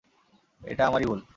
এটা আমারই ভূল।